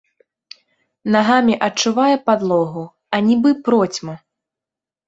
Нагамі адчувае падлогу, а нібы процьма.